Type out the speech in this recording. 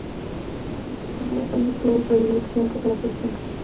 En sus primeros años tuvo predilección por la poesía.